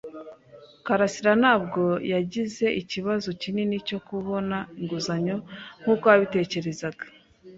karasira ntabwo yagize ikibazo kinini cyo kubona inguzanyo nkuko yabitekerezaga.